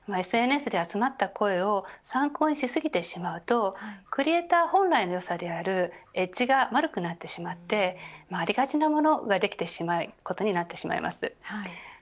ＳＮＳで集まった声を参考にしすぎてしまうとクリエイター本来のよさであるエッジが丸くなってしまってありがちなものができてしまうことになってしまいます。